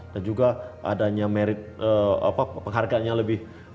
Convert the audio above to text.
dan juga adanya merit apa penghargaannya lebih